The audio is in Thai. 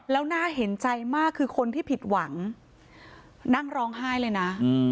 แล้วน่าเห็นใจมากคือคนที่ผิดหวังนั่งร้องไห้เลยนะ